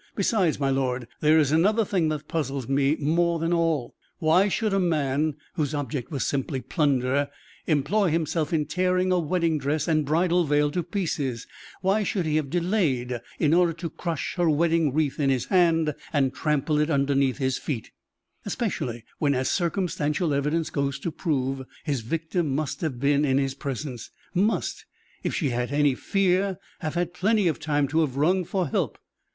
Besides, my lord, there is another thing that puzzles me more than all. Why should a man, whose object was simply plunder, employ himself in tearing a wedding dress and bridal veil to pieces; why should he have delayed in order to crush her wedding wreath in his hand, and trample it underneath his feet, especially when, as circumstantial evidence goes to prove, his victim must have been in his presence must, if she had any fear, have had plenty of time to have rung for help.